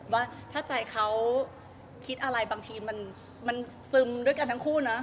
ว่าถ้าใจเขาคิดอะไรบางทีมันซึมด้วยกันทั้งคู่นะ